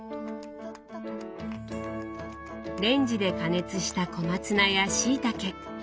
レンジで加熱した小松菜やしいたけ。